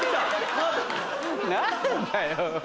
何だよ？